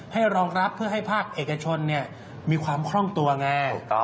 รองรับเพื่อให้ภาคเอกชนมีความคล่องตัวไง